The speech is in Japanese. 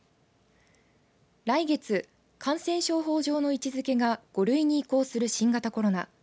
来月、感染症法上の位置づけが５類に移行する新型コロナ。